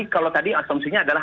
kalau tadi asumsinya adalah